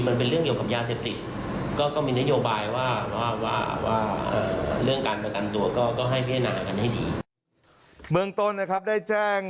เมืองต้นนะครับได้แจ้ง